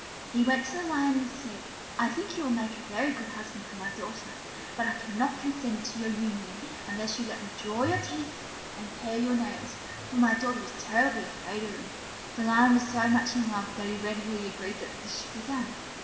He went to the Lion and said, "I think you will make a very good husband for my daughter: but I cannot consent to your union unless you let me draw your teeth and pare your nails, for my daughter is terribly afraid of them." The Lion was so much in love that he readily agreed that this should be done.